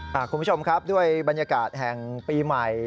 คุณผู้ชมครับด้วยบรรยากาศแห่งปีใหม่